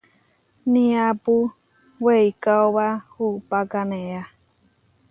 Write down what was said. Niápu weikaóba upákanea.